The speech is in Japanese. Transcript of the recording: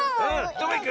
どこいく？